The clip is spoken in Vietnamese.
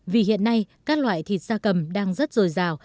vì hiện nay các loại thịt da cầm đang rất dồi dào